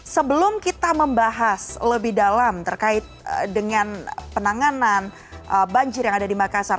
sebelum kita membahas lebih dalam terkait dengan penanganan banjir yang ada di makassar